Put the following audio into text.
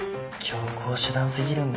強硬手段過ぎるんだよな。